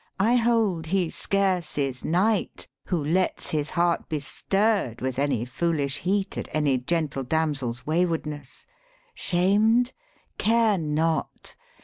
I hold He scarce is knight who lets His heart be stirr'd with any foolish heat At any gentle damsel's waywardness. Shamed ? care not